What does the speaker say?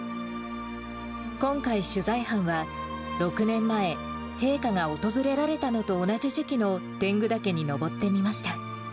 今回、取材班は６年前、陛下が訪れられたのと同じ時期の天狗岳に登ってみました。